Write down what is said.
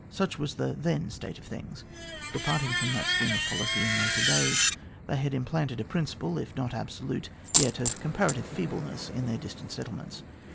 Such was the then state of things. Departing from that scheme of policy in later days, they had implanted a principle, if not of absolute, yet of comparative feeble ness, in their distant settlements.